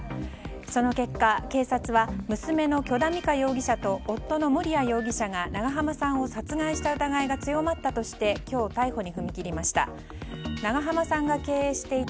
その結果、警察は娘の許田美香容疑者と夫の盛哉容疑者が長濱さんを殺害した疑いが強まったとして今日、逮捕に踏み切りました。